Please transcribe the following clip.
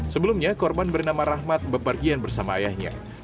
sebelumnya korban bernama rahmat bepergian bersama ayahnya